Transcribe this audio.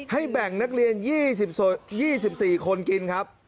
แบ่งนักเรียน๒๔คนกินครับ